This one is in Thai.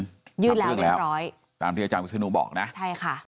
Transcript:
ยืดแล้วเรียบร้อยทำเรื่องแล้วตามที่อาจารย์พิษนุบอกนะใช่ค่ะ